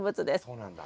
そうなんだ。